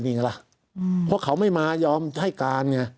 เพราะเขาไม่มายอมให้การ